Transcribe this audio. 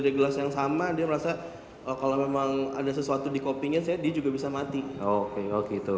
jelas yang sama dia merasa kalau memang ada sesuatu di kopinya saya juga bisa mati oh gitu